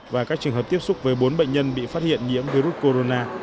và các trường hợp tiếp xúc với bốn bệnh nhân bị phát hiện nhiễm virus corona